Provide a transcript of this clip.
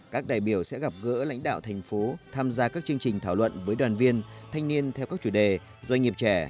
các đại biểu sẽ gặp gỡ lãnh đạo thành phố tham gia các chương trình thảo luận với đoàn viên thanh niên theo các chủ đề doanh nghiệp trẻ